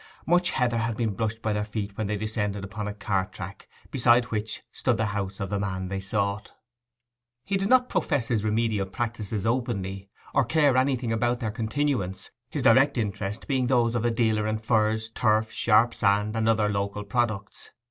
Much heather had been brushed by their feet when they descended upon a cart track, beside which stood the house of the man they sought. He did not profess his remedial practices openly, or care anything about their continuance, his direct interests being those of a dealer in furze, turf, 'sharp sand,' and other local products.